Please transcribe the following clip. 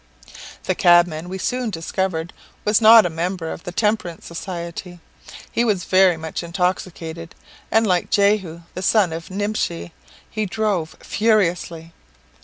The cabman, we soon discovered, was not a member of the temperance society. He was very much intoxicated; and, like Jehu the son of Nimshi, he drove furiously.